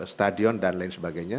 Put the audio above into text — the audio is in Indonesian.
stadion dan lain sebagainya